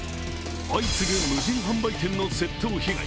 相次ぐ無人販売店の窃盗被害。